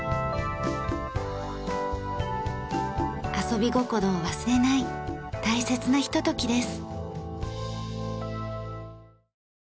遊び心を忘れない大切なひとときです。